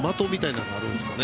ものがあるんですかね。